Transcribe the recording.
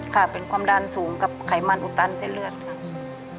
ค่ะเป็นความดันสูงกับไขมันอุตันเส้นเลือดครับ